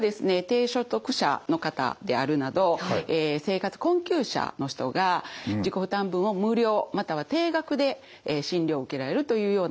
低所得者の方であるなど生活困窮者の人が自己負担分を無料または低額で診療を受けられるというようなものの制度です。